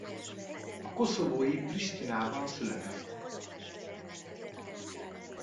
A koszovói Pristinában született.